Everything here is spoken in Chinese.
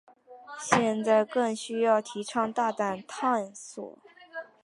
现在更需要提倡大胆探索。